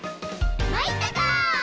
まいったか」